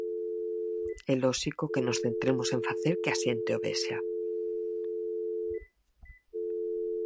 É lóxico que nos centremos en facer que a xente o vexa.